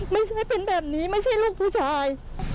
ไม่ใช่เป็นแบบนี้ไม่ใช่ลูกผู้ชาย